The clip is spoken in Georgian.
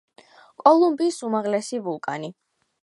კოლუმბიის უმაღლესი ვულკანი.